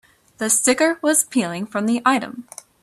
The sticker was peeling from the item.